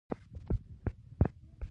چې تاسو د کوم ځای څخه راغلي یاست